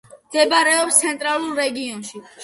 მდებარეობს ცენტრალურ რეგიონში.